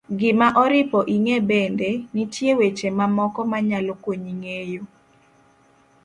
gima oripo ing'e bende, nitie weche mamoko ma nyalo konyi ng'eyo